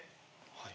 はい。